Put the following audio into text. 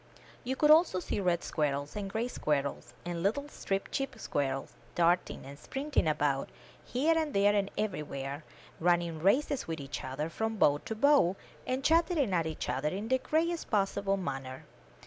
You could also see red squirrels, and gray squirrels, and little striped chip squirrels, darting and springing about, here and there and everywhere, running races with each other from bough to bough, and chatter ing at each other in the gayest possible manner.